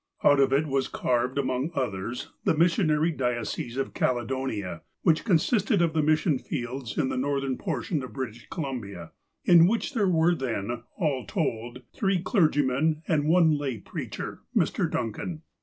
Out of it was carved, among others, the mis sionary diocese of Caledonia, which consisted of the mis sion fields in the northern portion of British Columbia, iu which there were then, all told, three clergymen, and one lay preacher, Mr. Duncan.